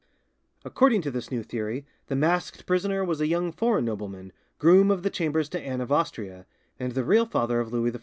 According to this new theory, the masked prisoner was a young foreign nobleman, groom of the chambers to Anne of Austria, and the real father of Louis XIV.